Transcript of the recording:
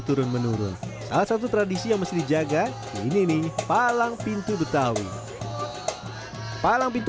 turun menurun salah satu tradisi yang mesti dijaga ini nih palang pintu betawi palang pintu